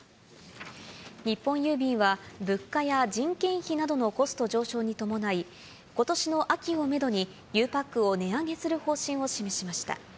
日本郵便は、物価や人件費などのコスト上昇に伴い、ことしの秋をメドに、ゆうパックを値上げする方針を示しました。